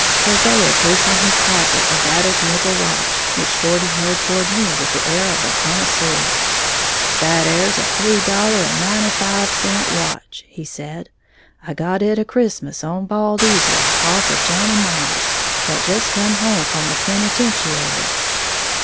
Hosea drew from his pocket a battered nickel watch, which Geordie held toward me with the air of a connoisseur. "That 'ere's a three dollar and ninety five cent watch," he said; "I got it a Christmas on Bald Eagle, off of Johnny Miles, that just come home from the Penitentiary."